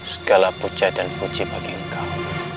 segala puja dan puji bagi engkau